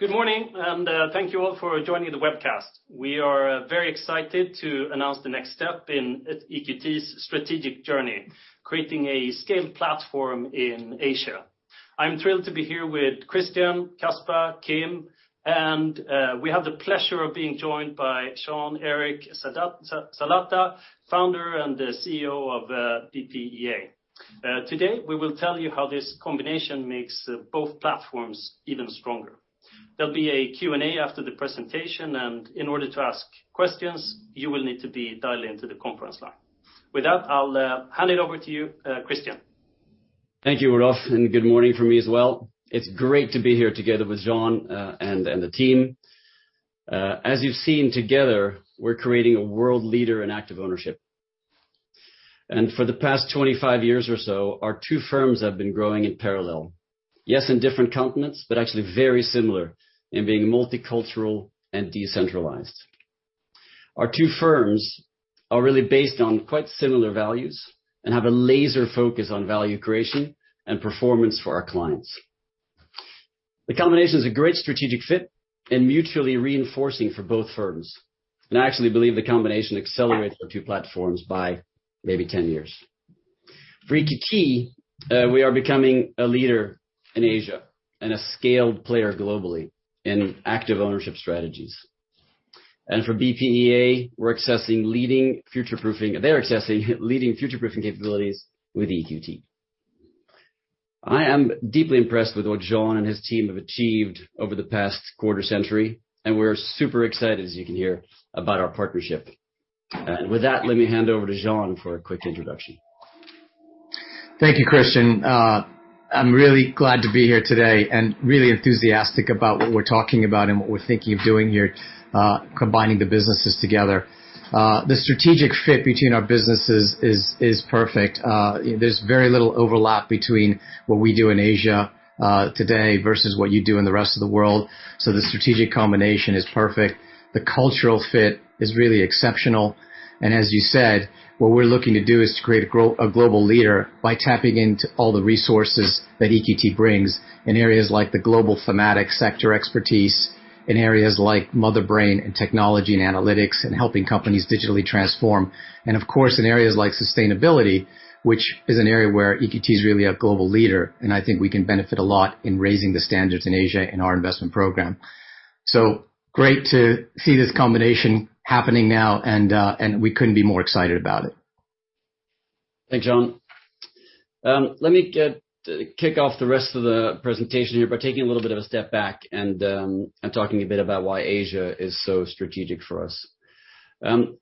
Good morning, thank you all for joining the webcast. We are very excited to announce the next step in EQT's strategic journey, creating a scaled platform in Asia. I'm thrilled to be here with Christian, Caspar, Kim, and we have the pleasure of being joined by Jean-Eric Salata, founder and CEO of BPEA. Today, we will tell you how this combination makes both platforms even stronger. There'll be a Q&A after the presentation, and in order to ask questions, you will need to be dialed into the conference line. With that, I'll hand it over to you, Christian. Thank you, Rudolf, and good morning from me as well. It's great to be here together with Jean and the team. As you've seen together, we're creating a world leader in active ownership. For the past 25 years or so, our two firms have been growing in parallel. Yes, in different continents, but actually very similar in being multicultural and decentralized. Our two firms are really based on quite similar values and have a laser focus on value creation and performance for our clients. The combination is a great strategic fit and mutually reinforcing for both firms, and I actually believe the combination accelerates our two platforms by maybe 10 years. For EQT, we are becoming a leader in Asia and a scaled player globally in active ownership strategies. For BPEA, they're accessing leading future-proofing capabilities with EQT. I am deeply impressed with what Jean and his team have achieved over the past quarter-century, and we're super excited, as you can hear, about our partnership. With that, let me hand over to Jean for a quick introduction. Thank you, Christian. I'm really glad to be here today and really enthusiastic about what we're talking about and what we're thinking of doing here, combining the businesses together. The strategic fit between our businesses is perfect. There's very little overlap between what we do in Asia today versus what you do in the rest of the world. The strategic combination is perfect. The cultural fit is really exceptional. As you said, what we're looking to do is to create a global leader by tapping into all the resources that EQT brings in areas like the global thematic sector expertise, in areas like Motherbrain and technology and analytics, and helping companies digitally transform. Of course, in areas like sustainability, which is an area where EQT is really a global leader, and I think we can benefit a lot in raising the standards in Asia in our investment program. Great to see this combination happening now, and we couldn't be more excited about it. Thanks, Jean. Let me kick off the rest of the presentation here by taking a little bit of a step back and talking a bit about why Asia is so strategic for us.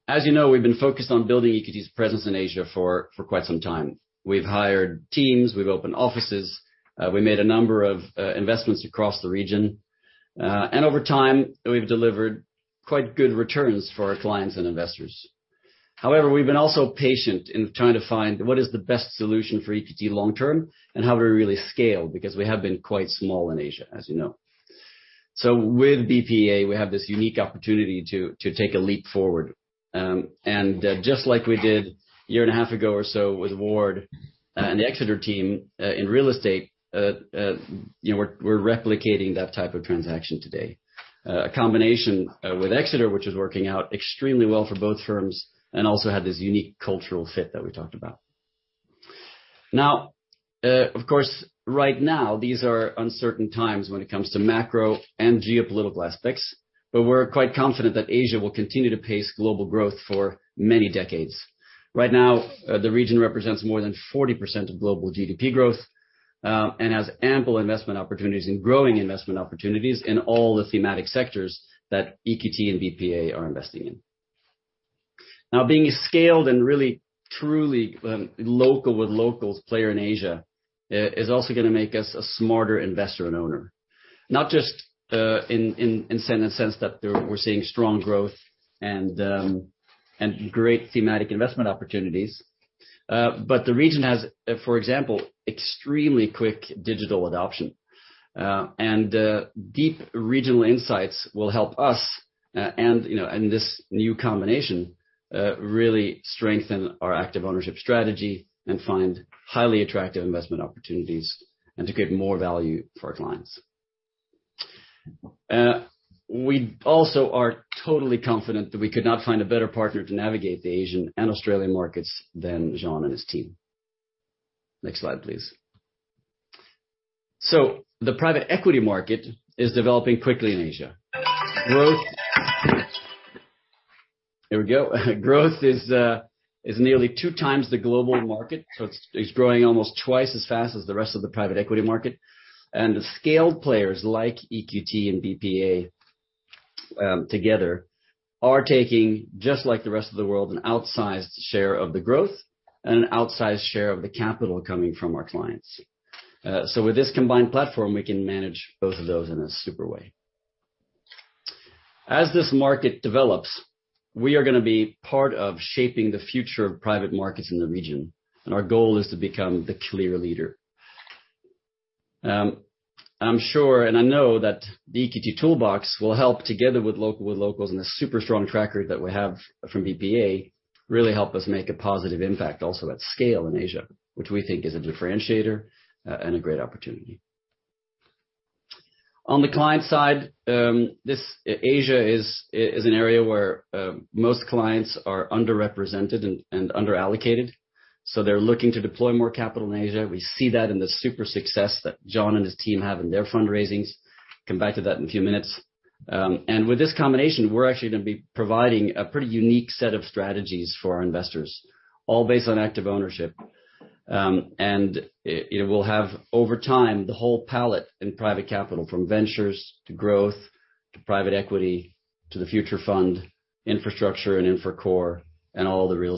As you know, we've been focused on building EQT's presence in Asia for quite some time. We've hired teams, we've opened offices, we made a number of investments across the region. And over time, we've delivered quite good returns for our clients and investors. However, we've been also patient in trying to find what is the best solution for EQT long-term and how do we really scale, because we have been quite small in Asia, as you know. With BPEA, we have this unique opportunity to take a leap forward. Just like we did a year and a half ago or so with Ward and the Exeter team in real estate, you know, we're replicating that type of transaction today, a combination with Exeter, which is working out extremely well for both firms and also had this unique cultural fit that we talked about. Now, of course, right now, these are uncertain times when it comes to macro and geopolitical aspects, but we're quite confident that Asia will continue to pace global growth for many decades. Right now, the region represents more than 40% of global GDP growth and has ample investment opportunities and growing investment opportunities in all the thematic sectors that EQT and BPEA are investing in. Now, being scaled and really, truly, local with local players in Asia is also gonna make us a smarter investor and owner. Not just in the sense that we're seeing strong growth and great thematic investment opportunities, but the region has, for example, extremely quick digital adoption and deep regional insights will help us, and you know, and this new combination really strengthen our active ownership strategy and find highly attractive investment opportunities and to create more value for our clients. We also are totally confident that we could not find a better partner to navigate the Asian and Australian markets than Jean and his team. Next slide, please. The private equity market is developing quickly in Asia. Here we go. Growth is nearly 2x the global market, so it's growing almost twice as fast as the rest of the private equity market. The scaled players like EQT and BPEA together are taking, just like the rest of the world, an outsized share of the growth and an outsized share of the capital coming from our clients. With this combined platform, we can manage both of those in a super way. As this market develops, we are gonna be part of shaping the future of private markets in the region, and our goal is to become the clear leader. I'm sure I know that the EQT toolbox will help, together with locals and the super strong track record that we have from BPEA really help us make a positive impact also at scale in Asia, which we think is a differentiator and a great opportunity. On the client side, Asia is an area where most clients are underrepresented and under-allocated, so they're looking to deploy more capital in Asia. We see that in the super success that Jean and his team have in their fundraisings. Come back to that in a few minutes. With this combination, we're actually gonna be providing a pretty unique set of strategies for our investors, all based on active ownership. It will have over time the whole palette in private capital from ventures to growth, to private equity, to EQT Future, infrastructure and EQT Active Core Infrastructure, and all the real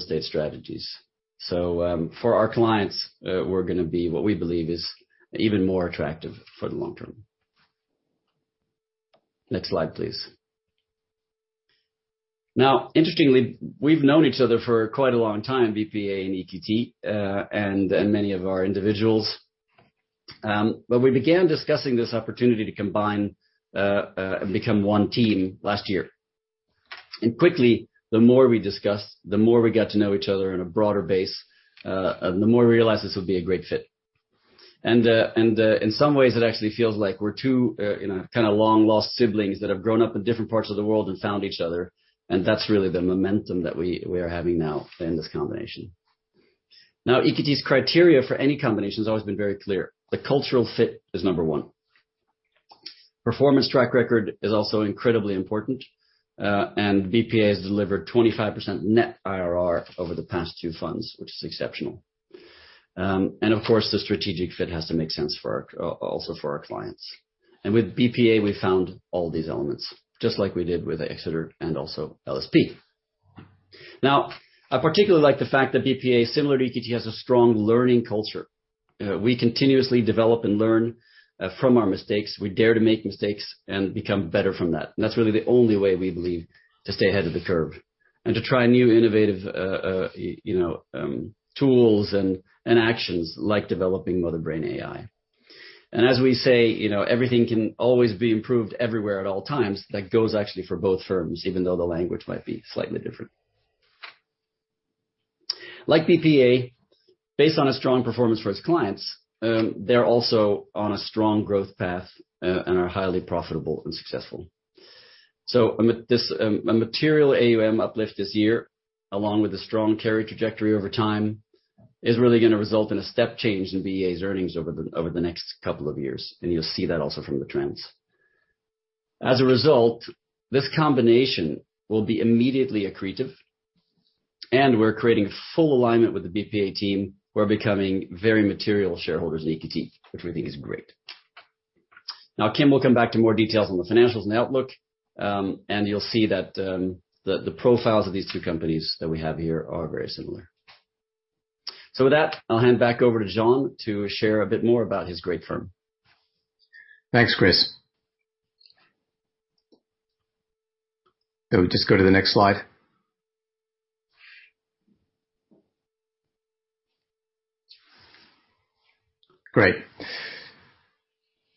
estate strategies. For our clients, we're gonna be what we believe is even more attractive for the long-term. Next slide, please. Now, interestingly, we've known each other for quite a long time, BPEA and EQT, and many of our individuals. We began discussing this opportunity to combine and become one team last year. Quickly, the more we discussed, the more we got to know each other on a broader base, and the more we realized this would be a great fit. In some ways it actually feels like we're two, you know, kinda long-lost siblings that have grown up in different parts of the world and found each other, and that's really the momentum that we are having now in this combination. Now, EQT's criteria for any combination has always been very clear. The cultural fit is number one. Performance track record is also incredibly important, and BPEA has delivered 25% net IRR over the past two funds, which is exceptional. Of course, the strategic fit has to make sense for our also for our clients. With BPEA, we found all these elements, just like we did with Exeter and also LSP. Now, I particularly like the fact that BPEA, similar to EQT, has a strong learning culture. We continuously develop and learn from our mistakes. We dare to make mistakes and become better from that. That's really the only way we believe to stay ahead of the curve, and to try new innovative, you know, tools and actions like developing Motherbrain AI. As we say, you know, everything can always be improved everywhere at all times. That goes actually for both firms, even though the language might be slightly different. Like BPEA, based on a strong performance for its clients, they're also on a strong growth path, and are highly profitable and successful. A material AUM uplift this year, along with a strong carry trajectory over time, is really gonna result in a step change in BPEA's earnings over the next couple of years, and you'll see that also from the trends. As a result, this combination will be immediately accretive, and we're creating full alignment with the BPEA team who are becoming very material shareholders at EQT, which we think is great. Now, Kim will come back to more details on the financials and outlook, and you'll see that, the profiles of these two companies that we have here are very similar. With that, I'll hand back over to Jean to share a bit more about his great firm. Thanks, Chris. Can we just go to the next slide? Great.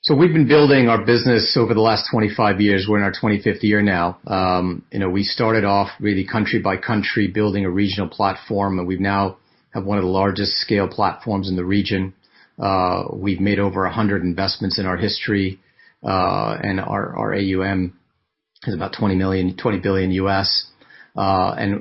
We've been building our business over the last 25 years. We're in our 25th year now. You know, we started off really country by country building a regional platform, and we now have one of the largest scale platforms in the region. We've made over 100 investments in our history, and our AUM is about $20 billion.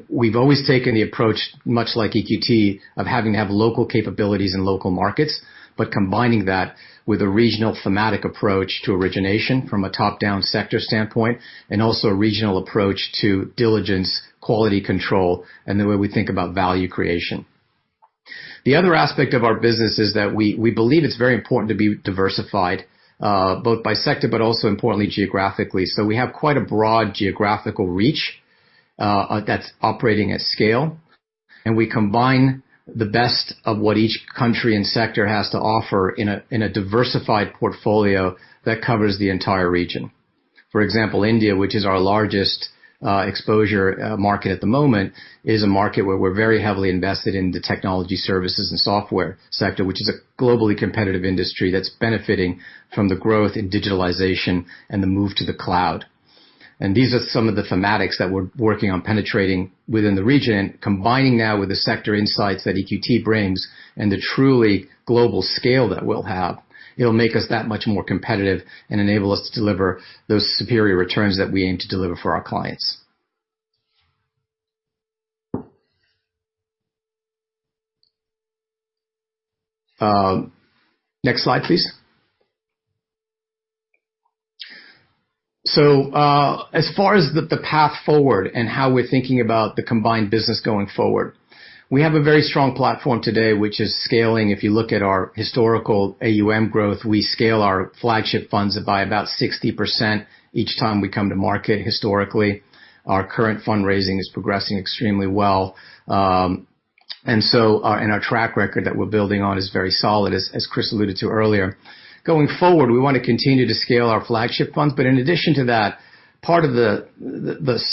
We've always taken the approach, much like EQT, of having to have local capabilities in local markets, but combining that with a regional thematic approach to origination from a top-down sector standpoint, and also a regional approach to diligence, quality control, and the way we think about value creation. The other aspect of our business is that we believe it's very important to be diversified, both by sector, but also importantly geographically. We have quite a broad geographical reach, that's operating at scale, and we combine the best of what each country and sector has to offer in a diversified portfolio that covers the entire region. For example, India, which is our largest exposure market at the moment, is a market where we're very heavily invested in the technology services and software sector, which is a globally competitive industry that's benefiting from the growth in digitalization and the move to the cloud. These are some of the thematics that we're working on penetrating within the region. Combining that with the sector insights that EQT brings and the truly global scale that we'll have, it'll make us that much more competitive and enable us to deliver those superior returns that we aim to deliver for our clients. Next slide, please. As far as the path forward and how we're thinking about the combined business going forward, we have a very strong platform today which is scaling. If you look at our historical AUM growth, we scale our flagship funds by about 60% each time we come to market historically. Our current fundraising is progressing extremely well. Our track record that we're building on is very solid, as Chris alluded to earlier. Going forward, we want to continue to scale our flagship funds, but in addition to that, part of the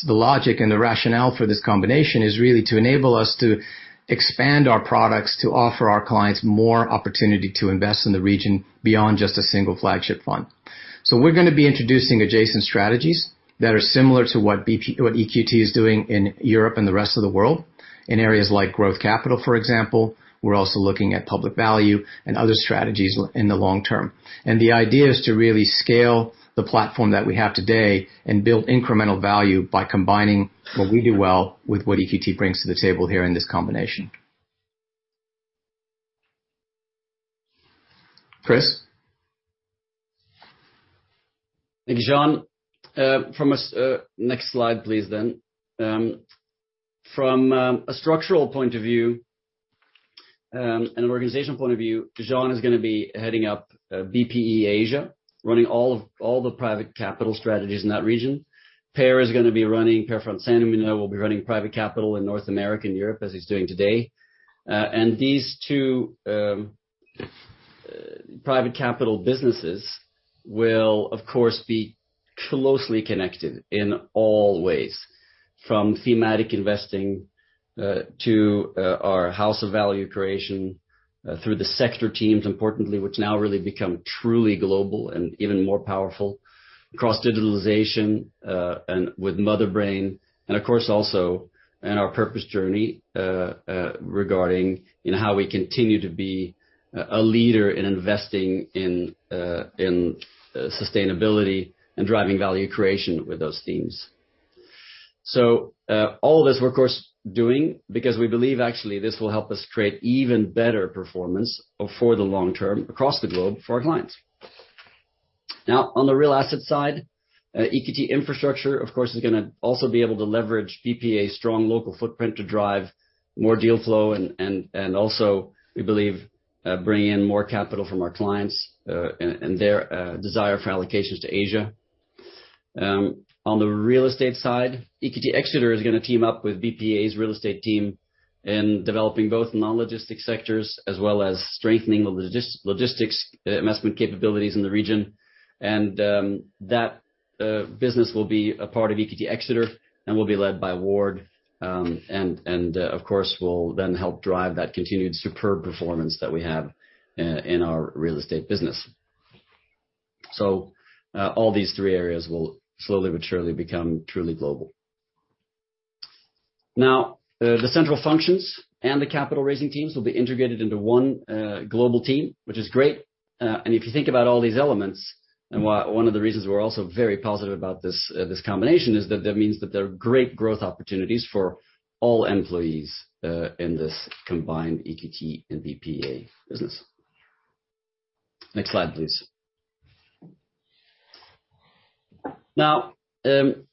logic and the rationale for this combination is really to enable us to expand our products to offer our clients more opportunity to invest in the region beyond just a single flagship fund. We're gonna be introducing adjacent strategies that are similar to what EQT is doing in Europe and the rest of the world, in areas like growth capital, for example. We're also looking at public value and other strategies in the long-term. The idea is to really scale the platform that we have today and build incremental value by combining what we do well with what EQT brings to the table here in this combination. Chris? Thank you, Jean. Next slide, please, then. From a structural point of view and an organizational point of view, Jean is gonna be heading up BPE Asia, running all the private capital strategies in that region. Per will be running private capital in North America and Europe as he's doing today. These two private capital businesses will, of course, be closely connected in all ways, from thematic investing to our House of Value Creation through the sector teams, importantly, which now really become truly global and even more powerful, across digitalization and with Motherbrain, and of course, also in our purpose journey, regarding, you know, how we continue to be a leader in investing in sustainability and driving value creation with those themes. All this we're of course doing because we believe actually this will help us create even better performance for the long-term across the globe for our clients. Now, on the real asset side, EQT Infrastructure, of course, is gonna also be able to leverage BPEA's strong local footprint to drive more deal flow and also, we believe, bring in more capital from our clients and their desire for allocations to Asia. On the real estate side, EQT Exeter is gonna team up with BPEA's real estate team in developing both non-logistic sectors as well as strengthening the logistics investment capabilities in the region. That business will be a part of EQT Exeter and will be led by Ward and, of course, will then help drive that continued superb performance that we have in our real estate business. All these three areas will slowly but surely become truly global. Now, the central functions and the capital raising teams will be integrated into one global team, which is great. If you think about all these elements and one of the reasons we're also very positive about this combination is that that means that there are great growth opportunities for all employees in this combined EQT and BPEA business. Next slide, please. Now, on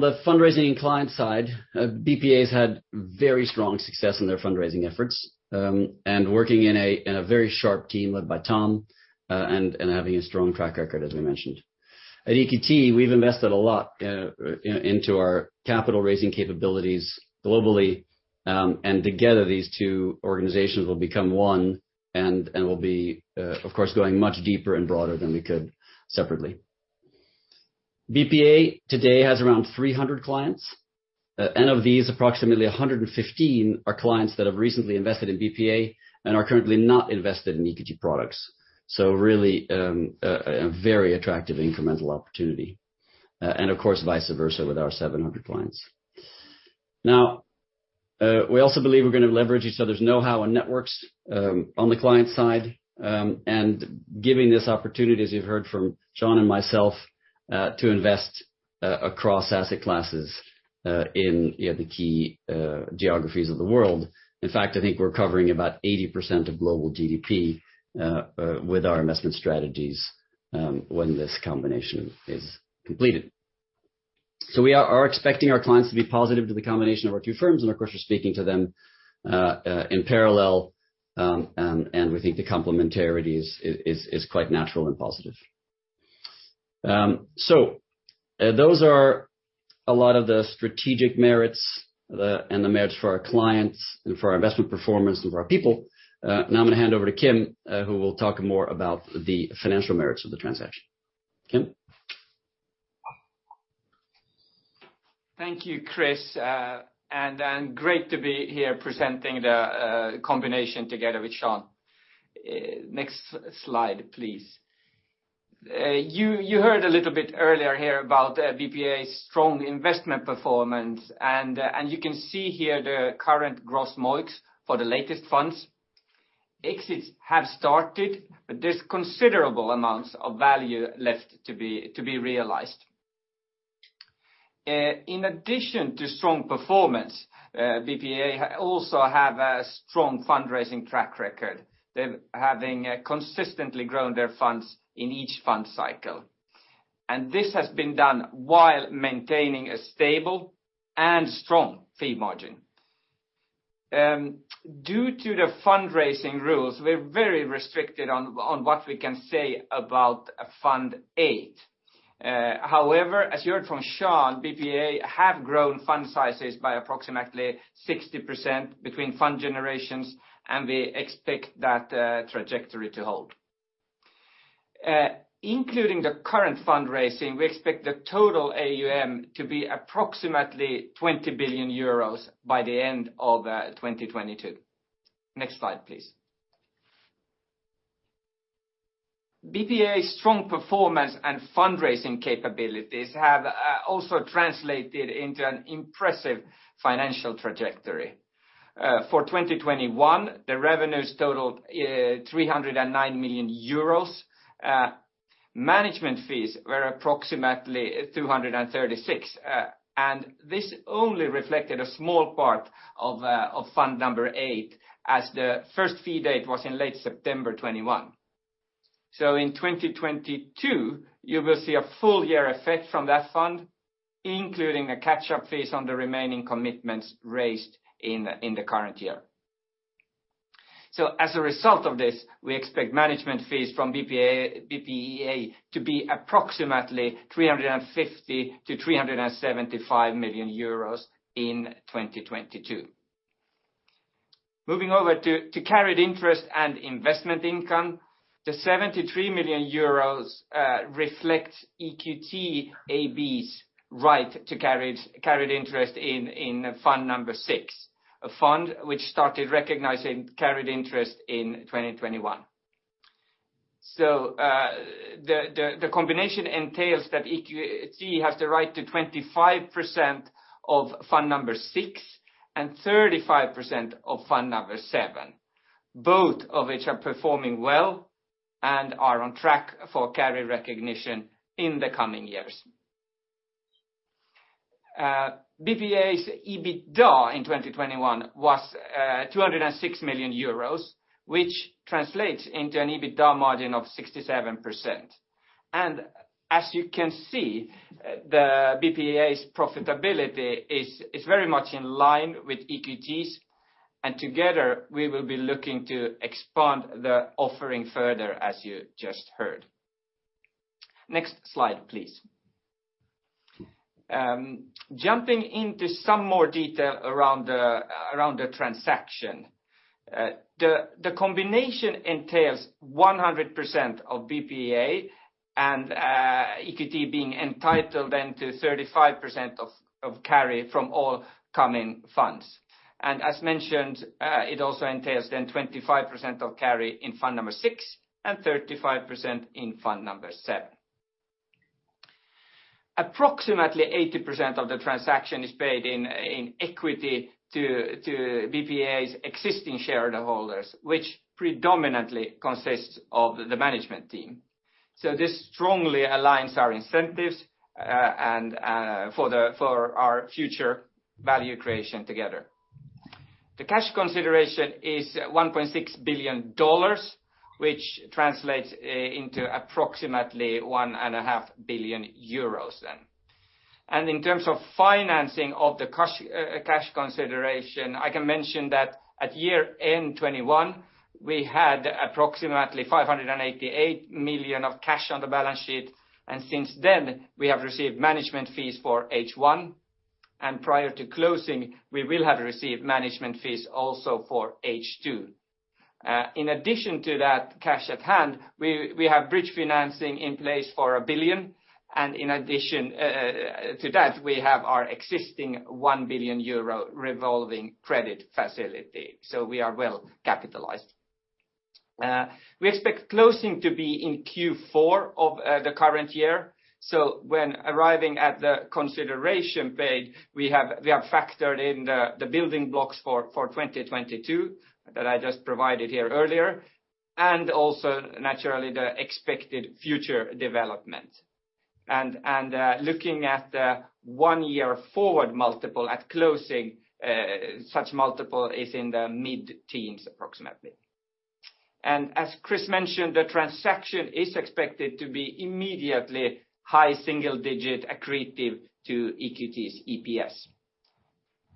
the fundraising and client side, BPEA has had very strong success in their fundraising efforts, and working in a very sharp team led by Tom and having a strong track record, as we mentioned. At EQT, we've invested a lot into our capital raising capabilities globally, and together these two organizations will become one and will be, of course, going much deeper and broader than we could separately. BPEA today has around 300 clients, and of these, approximately 115 are clients that have recently invested in BPEA and are currently not invested in EQT products. Really, a very attractive incremental opportunity. Of course, vice versa with our 700 clients. Now, we also believe we're gonna leverage each other's know-how and networks on the client side, and giving this opportunity, as you've heard from Jean and myself, to invest across asset classes, in you know, the key geographies of the world. In fact, I think we're covering about 80% of global GDP with our investment strategies when this combination is completed. We are expecting our clients to be positive to the combination of our two firms, and of course, we're speaking to them in parallel, and we think the complementarity is quite natural and positive. Those are a lot of the strategic merits and the merits for our clients and for our investment performance and for our people. Now I'm gonna hand over to Kim, who will talk more about the financial merits of the transaction. Kim? Thank you, Chris. Great to be here presenting the combination together with Jean. Next slide, please. You heard a little bit earlier here about BPEA's strong investment performance, and you can see here the current gross MOICs for the latest funds. Exits have started, but there's considerable amounts of value left to be realized. In addition to strong performance, BPEA also have a strong fundraising track record. They have consistently grown their funds in each fund cycle. This has been done while maintaining a stable and strong fee margin. Due to the fundraising rules, we're very restricted on what we can say about Fund Eight. However, as you heard from Jean, BPEA have grown fund sizes by approximately 60% between fund generations, and we expect that trajectory to hold. Including the current fundraising, we expect the total AUM to be approximately 20 billion euros by the end of 2022. Next slide, please. BPEA's strong performance and fundraising capabilities have also translated into an impressive financial trajectory. For 2021, the revenues totaled 309 million euros. Management fees were approximately 236 million. This only reflected a small part of fund number eight as the first fee date was in late September 2021. In 2022, you will see a full-year effect from that fund, including catch-up fees on the remaining commitments raised in the current year. As a result of this, we expect management fees from BPEA to be approximately 350 million-375 million euros in 2022. Moving over to carried interest and investment income. The 73 million euros reflects EQT AB's right to carried interest in fund number six. A fund which started recognizing carried interest in 2021. The combination entails that EQT has the right to 25% of fund number six and 35% of fund number seven, both of which are performing well and are on track for carry recognition in the coming years. BPEA's EBITDA in 2021 was 206 million euros, which translates into an EBITDA margin of 67%. As you can see, the BPEA's profitability is very much in line with EQT's, and together we will be looking to expand the offering further as you just heard. Next slide, please. Jumping into some more detail around the transaction. The combination entails 100% of BPEA and EQT being entitled then to 35% of carry from all coming funds. As mentioned, it also entails then 25% of carry in fund number six and 35% in fund number seven. Approximately 80% of the transaction is paid in equity to BPEA's existing shareholders, which predominantly consists of the management team. This strongly aligns our incentives and for our future value creation together. The cash consideration is $1.6 billion, which translates into approximately 1.5 billion euros then. In terms of financing of the cash consideration, I can mention that at year-end 2021, we had approximately 588 million of cash on the balance sheet, and since then, we have received management fees for H1, and prior to closing, we will have received management fees also for H2. In addition to that cash at hand, we have bridge financing in place for a billion, and in addition to that, we have our existing 1 billion euro revolving credit facility, so we are well capitalized. We expect closing to be in Q4 of the current year. When arriving at the consideration page, we have factored in the building blocks for 2022 that I just provided here earlier, and also naturally, the expected future development. Looking at the one year forward multiple at closing, such multiple is in the mid-teens approximately. As Chris mentioned, the transaction is expected to be immediately high single-digit accretive to EQT's EPS.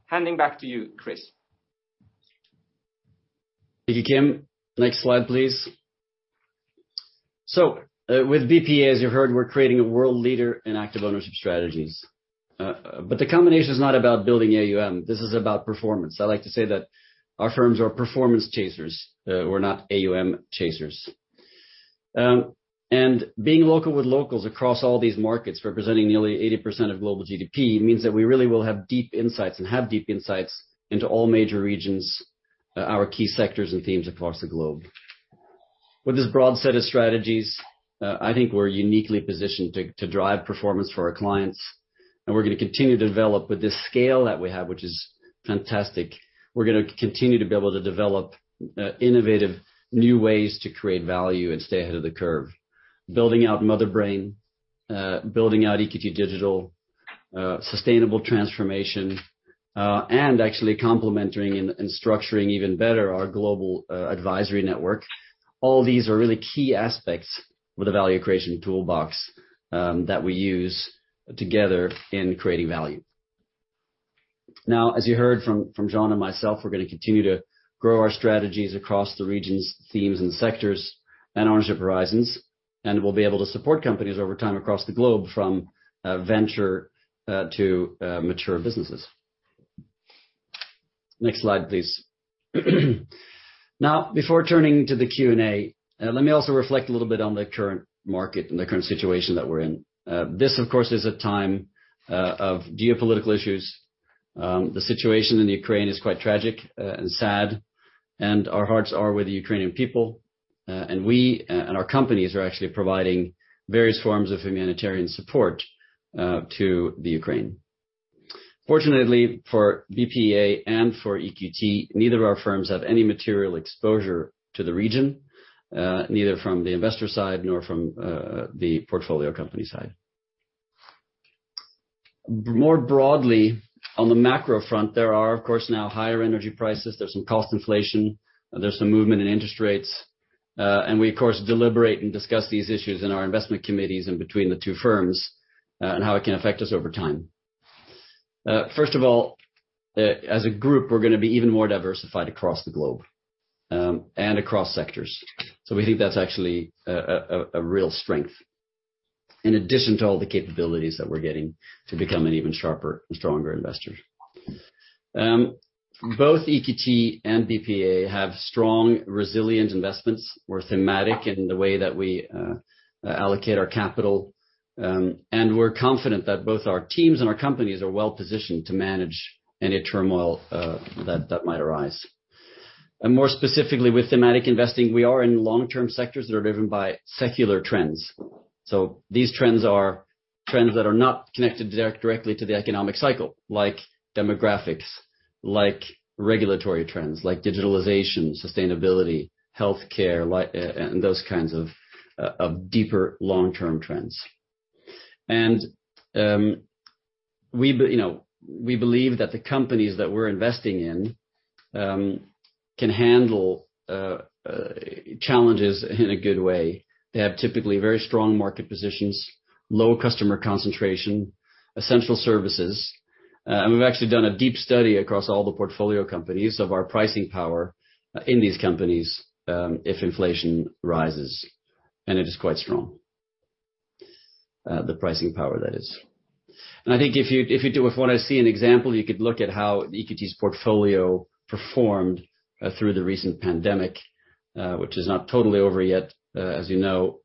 Handing back to you, Chris. Thank you, Kim. Next slide, please. With BPEA, as you heard, we're creating a world leader in active ownership strategies. The combination is not about building AUM, this is about performance. I like to say that our firms are performance chasers, we're not AUM chasers. Being local with locals across all these markets, representing nearly 80% of global GDP, means that we really will have deep insights into all major regions, our key sectors and themes across the globe. With this broad set of strategies, I think we're uniquely positioned to drive performance for our clients, and we're gonna continue to develop with this scale that we have, which is fantastic. We're gonna continue to be able to develop innovative new ways to create value and stay ahead of the curve. Building out Motherbrain, building out EQT Digital, sustainable transformation, and actually complementing and structuring even better our global advisory network. All these are really key aspects with the value creation toolbox that we use together in creating value. Now, as you heard from Jean and myself, we're gonna continue to grow our strategies across the regions, themes and sectors and ownership horizons, and we'll be able to support companies over time across the globe from venture to mature businesses. Next slide, please. Now, before turning to the Q&A, let me also reflect a little bit on the current market and the current situation that we're in. This of course is a time of geopolitical issues. The situation in Ukraine is quite tragic, and sad, and our hearts are with the Ukrainian people. Our companies are actually providing various forms of humanitarian support to Ukraine. Fortunately, for BPEA and for EQT, neither of our firms have any material exposure to the region, neither from the investor side nor from the portfolio company side. More broadly, on the macro front, there are, of course, now higher energy prices. There's some cost inflation, there's some movement in interest rates. We of course deliberate and discuss these issues in our investment committees and between the two firms, and how it can affect us over time. As a group, we're gonna be even more diversified across the globe and across sectors. We think that's actually a real strength in addition to all the capabilities that we're getting to become an even sharper and stronger investor. Both EQT and BPEA have strong, resilient investments. We're thematic in the way that we allocate our capital. We're confident that both our teams and our companies are well-positioned to manage any turmoil that might arise. More specifically, with thematic investing, we are in long-term sectors that are driven by secular trends. These trends are trends that are not connected directly to the economic cycle, like demographics, like regulatory trends, like digitalization, sustainability, healthcare, and those kinds of deeper long-term trends. You know, we believe that the companies that we're investing in can handle challenges in a good way. They have typically very strong market positions, low customer concentration, essential services. We've actually done a deep study across all the portfolio companies of our pricing power in these companies if inflation rises, and it is quite strong, the pricing power that is. I think if you wanna see an example, you could look at how EQT's portfolio performed through the recent pandemic, which is not totally over yet, as you know.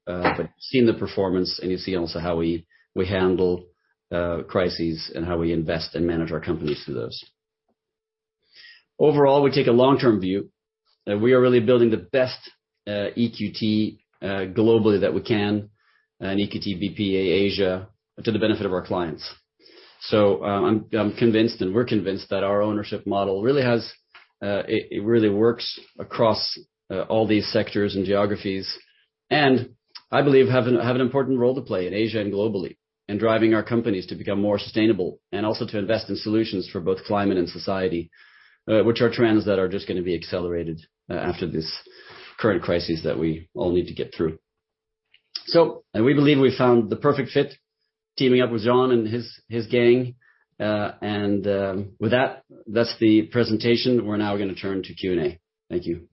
Seeing the performance, you see also how we handle crises and how we invest and manage our companies through those. Overall, we take a long-term view. We are really building the best EQT globally that we can, and EQT BPEA Asia to the benefit of our clients. I'm convinced, and we're convinced that our ownership model really works across all these sectors and geographies, and I believe we have an important role to play in Asia and globally in driving our companies to become more sustainable and also to invest in solutions for both climate and society, which are trends that are just gonna be accelerated after this current crisis that we all need to get through. We believe we found the perfect fit teaming up with Jean and his gang. With that's the presentation. We're now gonna turn to Q&A. Thank you.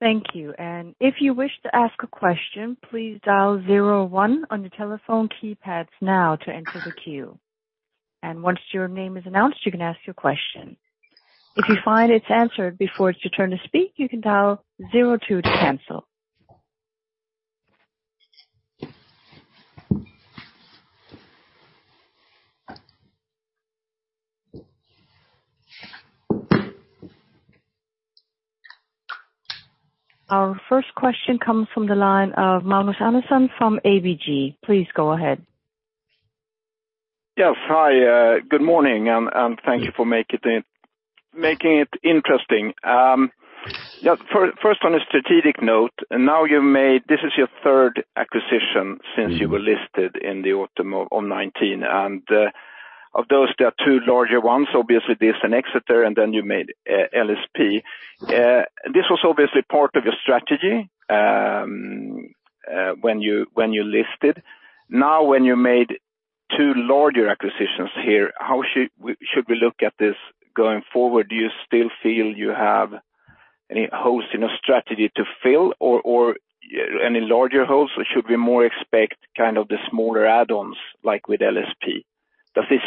Thank you. If you wish to ask a question, please dial 01 on your telephone keypads now to enter the queue. Once your name is announced, you can ask your question. If you find it's answered before it's your turn to speak, you can dial 02 to cancel. Our first question comes from the line of Magnus Andersson from ABG. Please go ahead. Yes. Hi, good morning, and thank you for making it interesting. First, on a strategic note, this is your third acquisition since you were listed in the autumn of 2019. Of those, there are two larger ones. Obviously this and Exeter, and then you made LSP. This was obviously part of your strategy when you listed. Now when you made two larger acquisitions here, how should we look at this going forward? Do you still feel you have any holes in your strategy to fill or any larger holes, or should we more expect kind of the smaller add-ons like with LSP? Does this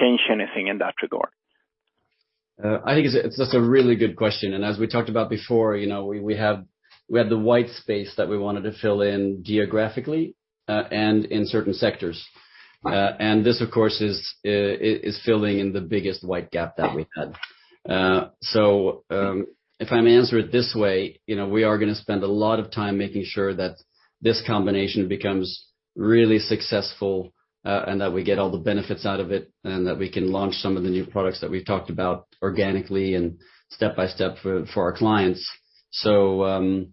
change anything in that regard? I think it's just a really good question. As we talked about before, you know, we had the white space that we wanted to fill in geographically, and in certain sectors. This of course is filling in the biggest white gap that we had. If I may answer it this way, you know, we are gonna spend a lot of time making sure that this combination becomes really successful, and that we get all the benefits out of it, and that we can launch some of the new products that we've talked about organically and step-by-step for our clients. I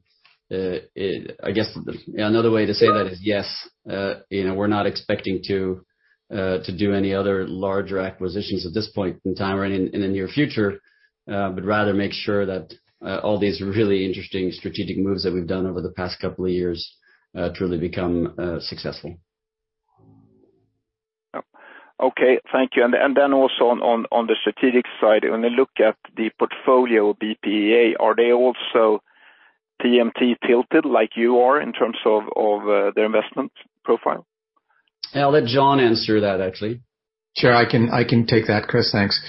guess another way to say that is yes, you know, we're not expecting to to do any other larger acquisitions at this point in time or in the near future, but rather make sure that all these really interesting strategic moves that we've done over the past couple of years truly become successful. Okay. Thank you. Then also on the strategic side, when I look at the portfolio of BPEA, are they also TMT tilted like you are in terms of their investment profile? I'll let Jean answer that, actually. Sure. I can take that, Chris. Thanks.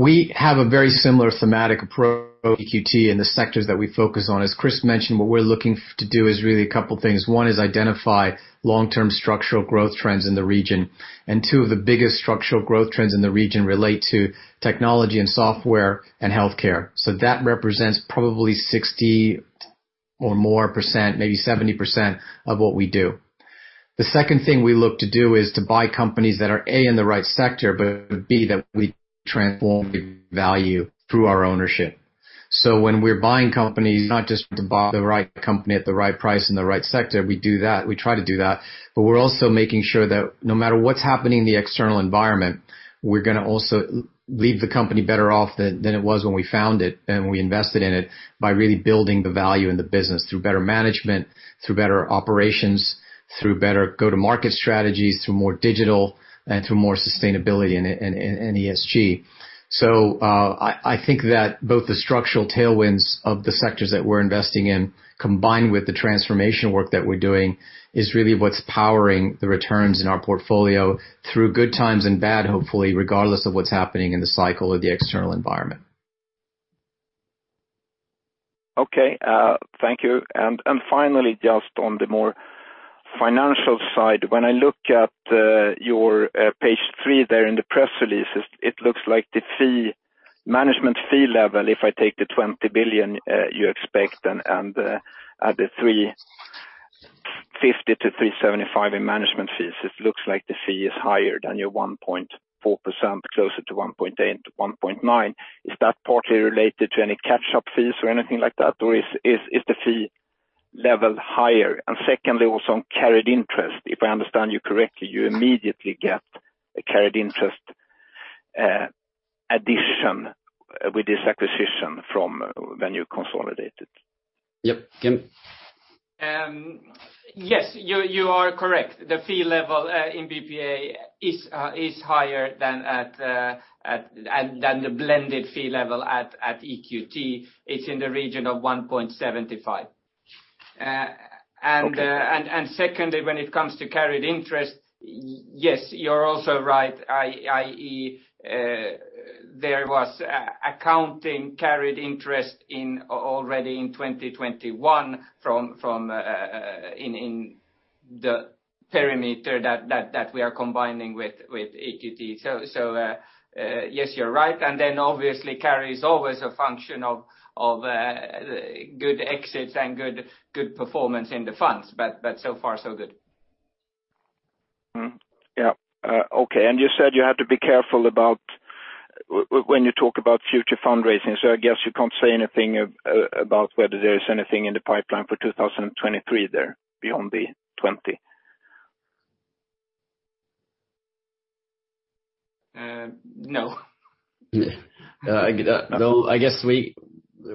We have a very similar thematic approach to EQT in the sectors that we focus on. As Chris mentioned, what we're looking to do is really a couple things. One is identify long-term structural growth trends in the region, and two of the biggest structural growth trends in the region relate to technology and software and healthcare. That represents probably 60% or more, maybe 70% of what we do. The second thing we look to do is to buy companies that are, A, in the right sector, but, B, that we transform value through our ownership. When we're buying companies, not just to buy the right company at the right price in the right sector, we do that, we try to do that, but we're also making sure that no matter what's happening in the external environment, we're gonna also leave the company better off than it was when we found it and we invested in it by really building the value in the business through better management, through better operations, through better go-to-market strategies, through more digital and through more sustainability and ESG. I think that both the structural tailwinds of the sectors that we're investing in, combined with the transformation work that we're doing, is really what's powering the returns in our portfolio through good times and bad, hopefully, regardless of what's happening in the cycle or the external environment. Okay. Thank you. Finally, just on the more financial side, when I look at your page three there in the press releases, it looks like the fee management fee level, if I take the 20 billion you expect and add the 350 million-375 million in management fees, it looks like the fee is higher than your 1.4%, closer to 1.8%-1.9%. Is that partly related to any catch-up fees or anything like that? Or is the fee level higher? Secondly, also on carried interest, if I understand you correctly, you immediately get a carried interest addition with this acquisition from when you consolidate it. Yep. Kim? Yes. You are correct. The fee level in BPEA is higher than the blended fee level at EQT. It's in the region of 1.75. Okay. Secondly, when it comes to carried interest, yes, you're also right. i.e., there was accounting carried interest already in 2021 from the perimeter that we are combining with EQT. Yes, you're right. Then obviously carry is always a function of good exits and good performance in the funds. So far so good. You said you have to be careful about when you talk about future fundraising. I guess you can't say anything about whether there is anything in the pipeline for 2023 there beyond the 20 bilion. No. Though I guess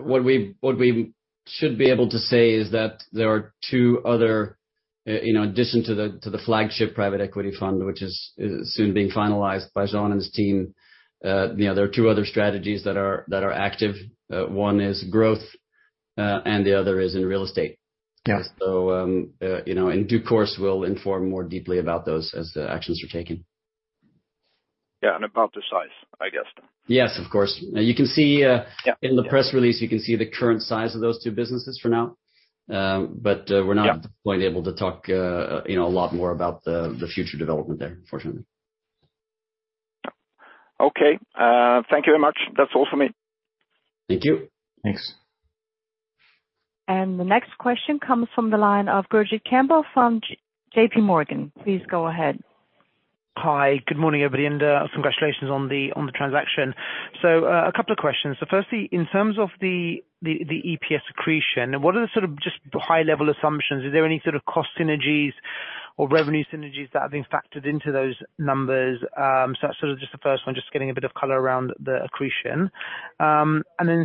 what we should be able to say is that there are two other, you know, in addition to the flagship private equity fund, which is soon being finalized by Jean and his team, you know, there are two other strategies that are active. One is growth, and the other is in real estate. Yeah. you know, in due course, we'll inform more deeply about those as the actions are taken. Yeah, about the size, I guess. Yes, of course. Now you can see. Yeah. In the press release, you can see the current size of those two businesses for now. Yeah. We're not going to be able to talk, you know, a lot more about the future development there, unfortunately. Okay. Thank you very much. That's all for me. Thank you. Thanks. The next question comes from the line of [Greg Campbell] from J.P. Morgan. Please go ahead. Hi. Good morning, everybody, and congratulations on the transaction. A couple of questions. Firstly, in terms of the EPS accretion, what are the sort of just high-level assumptions? Is there any sort of cost synergies or revenue synergies that have been factored into those numbers? That's sort of just the first one, just getting a bit of color around the accretion.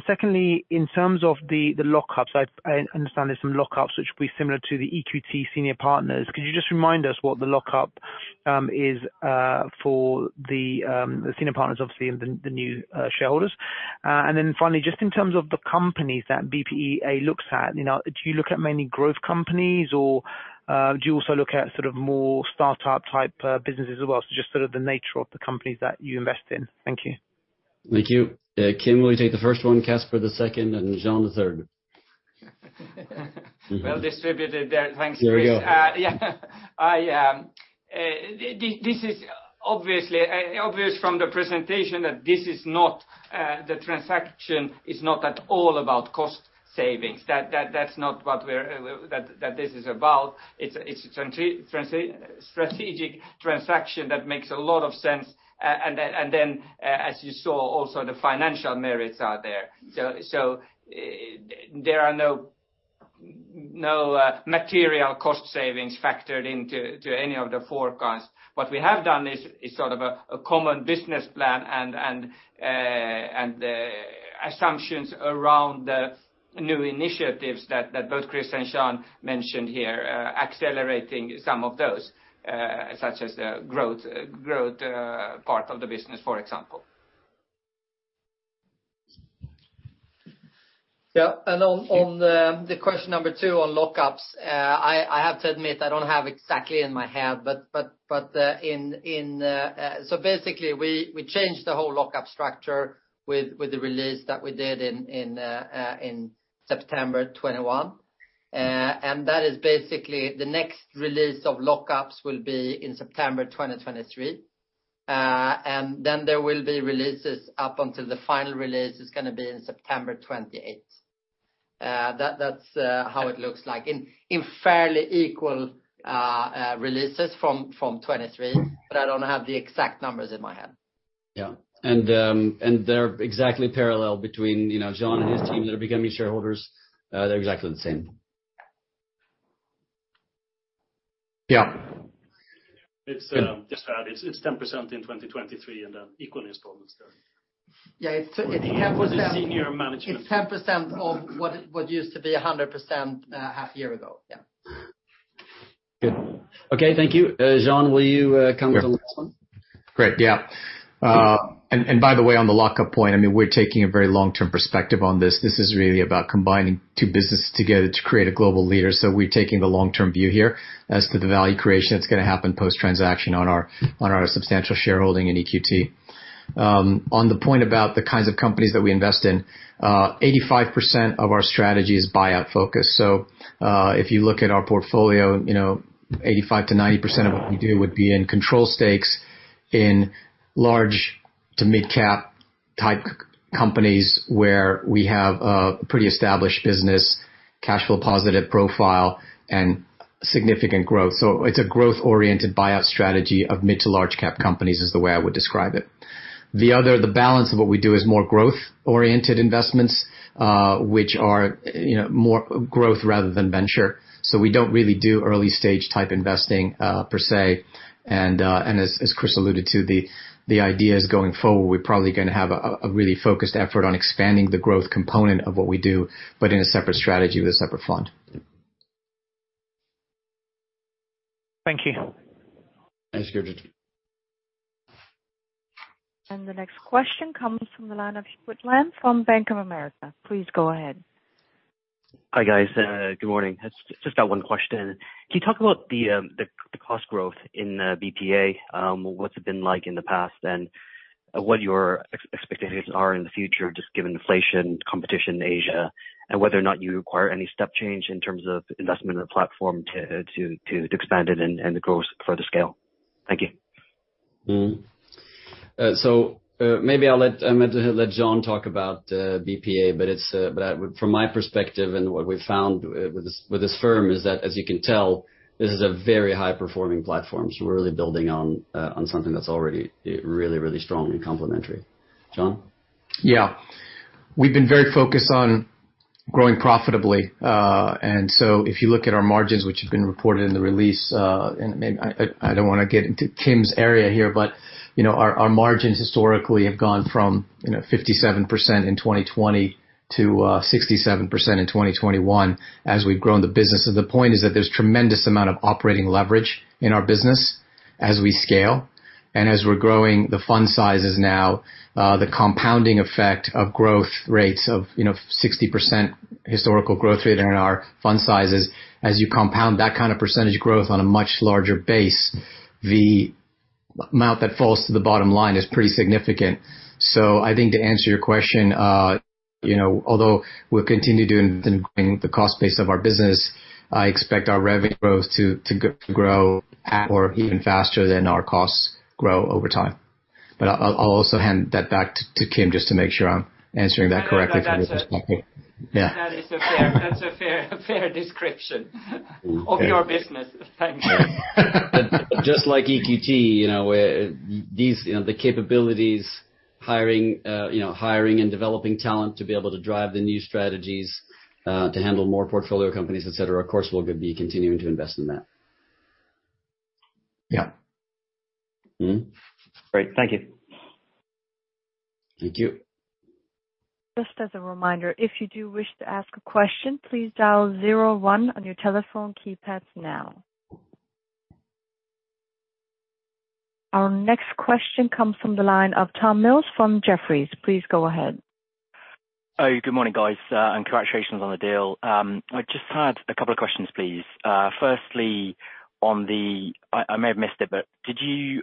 Secondly, in terms of the lockups, I understand there's some lockups which will be similar to the EQT senior partners. Could you just remind us what the lockup is for the senior partners, obviously, and the new shareholders? Finally, just in terms of the companies that BPEA looks at, you know, do you look at mainly growth companies, or, do you also look at sort of more startup-type, businesses as well? Just sort of the nature of the companies that you invest in. Thank you. Thank you. Kim will take the first one, Caspar the second, and Jean the third. Well distributed there. Thanks, Chris. There we go. This is obvious from the presentation that the transaction is not at all about cost savings. That's not what this is about. It's a strategic transaction that makes a lot of sense. As you saw also, the financial merits are there. There are no material cost savings factored into any of the forecasts. What we have done is sort of a common business plan and assumptions around the new initiatives that both Chris and Jean mentioned here, accelerating some of those, such as the growth part of the business, for example. On the question number two on lockups, I have to admit, I don't have exactly in my head, but in. So basically, we changed the whole lockup structure with the release that we did in September 2021. That is basically the next release of lockups will be in September 2023. Then there will be releases up until the final release is gonna be in September 2028. That's how it looks like. In fairly equal releases from 2023. Mm-hmm. I don't have the exact numbers in my head. Yeah. They're exactly parallel between, you know, Jean and his team that are becoming shareholders. They're exactly the same. Yeah. It's just to add, it's 10% in 2023 and then equal installments then. Yeah, it's 10%. For the senior management. It's 10% of what used to be a 100% half year ago. Yeah. Good. Okay, thank you. Jean, will you comment on the next one? Great. Yeah. By the way, on the lockup point, I mean, we're taking a very long-term perspective on this. This is really about combining two businesses together to create a global leader. We're taking the long-term view here as to the value creation that's gonna happen post-transaction on our substantial shareholding in EQT. On the point about the kinds of companies that we invest in, 85% of our strategy is buyout focused. If you look at our portfolio, you know, 85%-90% of what we do would be in control stakes in large to mid-cap type companies where we have a pretty established business cash flow positive profile and significant growth. It's a growth-oriented buyout strategy of mid to large-cap companies, is the way I would describe it. The balance of what we do is more growth-oriented investments, which are, you know, more growth rather than venture. We don't really do early stage type investing, per se. As Chris alluded to, the idea is going forward, we're probably gonna have a really focused effort on expanding the growth component of what we do, but in a separate strategy with a separate fund. Thank you. Thanks, Greg. The next question comes from the line of Hubert Lam from Bank of America. Please go ahead. Hi, guys. Good morning. Just one question. Can you talk about the cost growth in BPEA, what's it been like in the past, and what your expectations are in the future, just given inflation, competition in Asia, and whether or not you require any step change in terms of investment in the platform to expand it and to grow further scale. Thank you. I meant to let Jean talk about BPEA, but from my perspective and what we've found with this firm is that, as you can tell, this is a very high performing platform. We're really building on something that's already really strong and complementary. Jean? Yeah. We've been very focused on growing profitably. If you look at our margins, which have been reported in the release, and maybe I don't wanna get into Kim's area here, but you know, our margins historically have gone from you know 57% in 2020 to 67% in 2021 as we've grown the business. The point is that there's tremendous amount of operating leverage in our business as we scale and as we're growing the fund sizes now, the compounding effect of growth rates of you know 50%-60% historical growth rate in our fund sizes. As you compound that kind of percentage growth on a much larger base, the amount that falls to the bottom line is pretty significant. I think to answer your question, you know, although we'll continue doing the cost base of our business, I expect our revenue growth to grow at or even faster than our costs grow over time. I'll also hand that back to Kim just to make sure I'm answering that correctly from your perspective. I think that that's a. Yeah. That's a fair description of your business. Thank you. Yeah. Just like EQT, you know, these, you know, the capabilities, hiring, you know, hiring and developing talent to be able to drive the new strategies, to handle more portfolio companies, et cetera, of course we'll be continuing to invest in that. Yeah. Mm-hmm. Great. Thank you. Thank you. Just as a reminder, if you do wish to ask a question, please dial zero one on your telephone keypads now. Our next question comes from the line of Tom Mills from Jefferies. Please go ahead. Oh, good morning, guys, and congratulations on the deal. I just had a couple of questions, please. Firstly, I may have missed it, but did you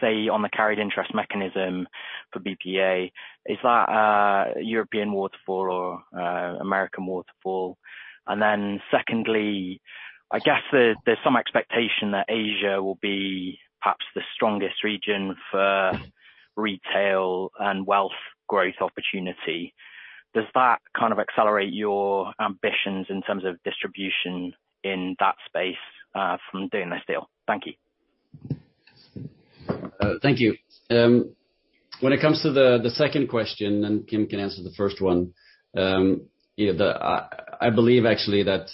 say on the carried interest mechanism for BPEA, is that a European waterfall or a American waterfall? Secondly, I guess there's some expectation that Asia will be perhaps the strongest region for retail and wealth growth opportunity. Does that kind of accelerate your ambitions in terms of distribution in that space from doing this deal? Thank you. Thank you. When it comes to the second question, and Kim can answer the first one, you know, I believe actually that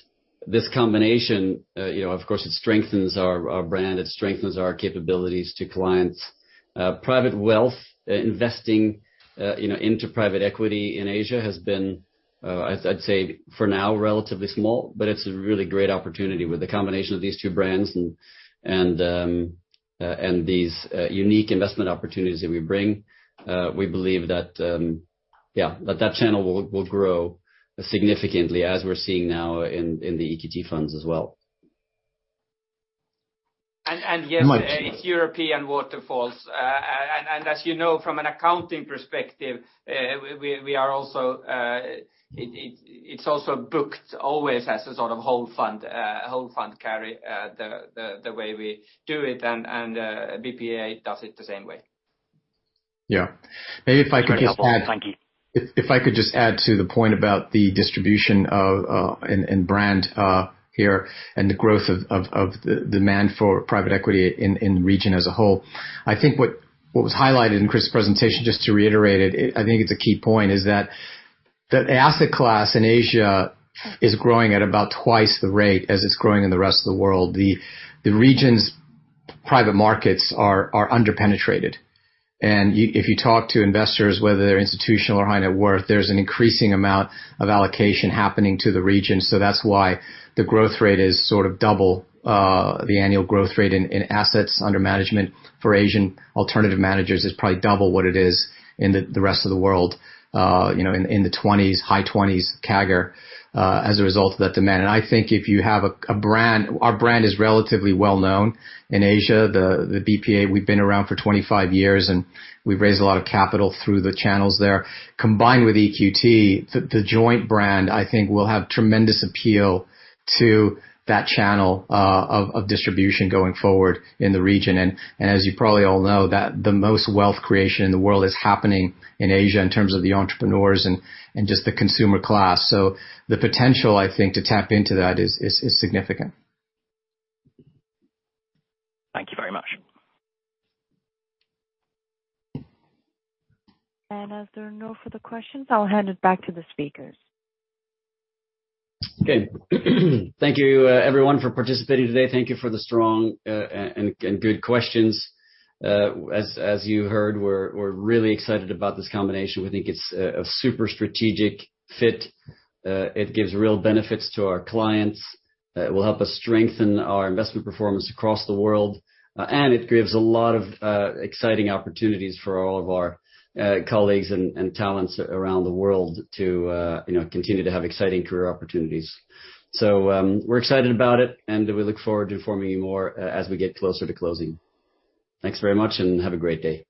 this combination, you know, of course, it strengthens our brand, it strengthens our capabilities to clients. Private wealth investing, you know, into private equity in Asia has been, I'd say for now, relatively small, but it's a really great opportunity with the combination of these two brands and. These unique investment opportunities that we bring, we believe that channel will grow significantly as we're seeing now in the EQT funds as well. Yes. Might.... It's European waterfalls. As you know, from an accounting perspective, we are also. It's also booked always as a sort of whole fund, whole fund carry, the way we do it and BPEA does it the same way. Yeah. Maybe if I could just add. Great, helpful. Thank you. If I could just add to the point about the distribution and brand here and the growth of the demand for private equity in the region as a whole. I think what was highlighted in Chris' presentation, just to reiterate it, I think it's a key point is that that asset class in Asia is growing at about twice the rate as it's growing in the rest of the world. The region's private markets are under-penetrated. If you talk to investors, whether they're institutional or high net worth, there's an increasing amount of allocation happening to the region, so that's why the growth rate is sort of double, the annual growth rate in assets under management for Asian alternative managers is probably double what it is in the rest of the world, you know, in the high twenties CAGR, as a result of that demand. I think if you have a brand. Our brand is relatively well-known in Asia. The BPEA, we've been around for 25 years, and we've raised a lot of capital through the channels there. Combined with EQT, the joint brand, I think will have tremendous appeal to that channel of distribution going forward in the region. As you probably all know that the most wealth creation in the world is happening in Asia in terms of the entrepreneurs and just the consumer class. The potential, I think, to tap into that is significant. Thank you very much. As there are no further questions, I'll hand it back to the speakers. Okay. Thank you, everyone for participating today. Thank you for the strong and good questions. As you heard, we're really excited about this combination. We think it's a super strategic fit. It gives real benefits to our clients. It will help us strengthen our investment performance across the world, and it gives a lot of exciting opportunities for all of our colleagues and talents around the world to, you know, continue to have exciting career opportunities. We're excited about it, and we look forward to informing you more as we get closer to closing. Thanks very much, and have a great day.